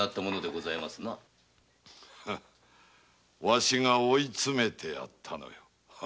わしが追い詰めてやったのよ。